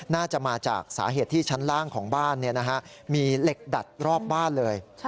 น่าจะมาจากสาเหตุที่ชั้นล่างของบ้านมีเหล็กดัดรอบบ้านเลย